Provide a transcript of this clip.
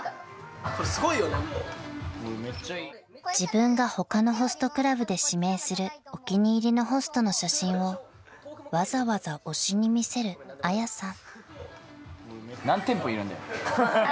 ［自分が他のホストクラブで指名するお気に入りのホストの写真をわざわざ推しに見せるあやさん］